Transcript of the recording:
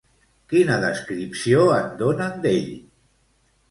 Quina descripció en donen d'ell?